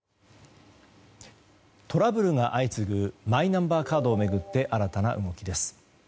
トラブルが相次ぐマイナンバーカードを巡って新たな動きです。